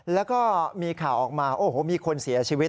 แล้วก็มีข่าวออกมาโอ้โหมีคนเสียชีวิต